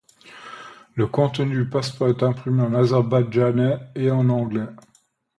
Le contenu du passeport est imprimé en azerbaïdjanais et en anglais.